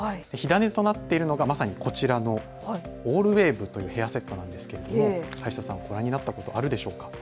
火種となっているのがまさにこちらのオールウェーブというヘアセットなんですけれども林田さん、ご覧になったことありますか。